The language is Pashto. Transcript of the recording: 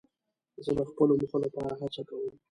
زه د خپلو موخو لپاره هڅه کوم.